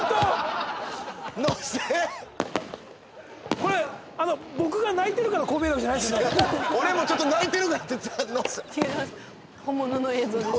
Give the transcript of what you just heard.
これ僕が泣いてるからこう見えるわけじゃないですよね俺もちょっと泣いてるからってちゃう野瀬違います